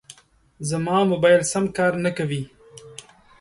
زما موبایل سم کار نه کوي.